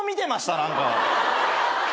何か。